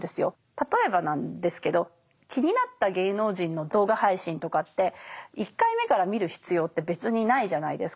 例えばなんですけど気になった芸能人の動画配信とかって１回目から見る必要って別にないじゃないですか。